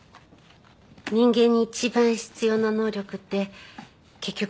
人間に一番必要な能力って結局はあれよ。